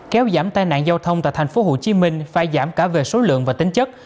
kéo giảm tai nạn giao thông tại tp hcm phải giảm cả về số lượng và tính chất